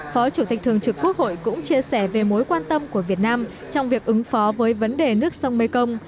phó chủ tịch thường trực quốc hội cũng chia sẻ về mối quan tâm của việt nam trong việc ứng phó với vấn đề nước sông mekong